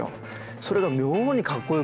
それが妙にかっこよくて。